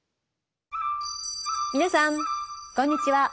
皆さんこんにちは。